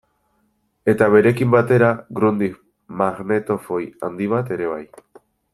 Eta berekin batera Grundig magnetofoi handi bat ere bai.